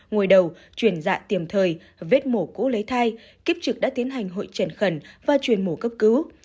ngồi đầu truyền dạ tiềm thời vết mổ cũ lấy thai kiếp trực đã tiến hành hội trần khẩn và chuyển mổ cấp cứu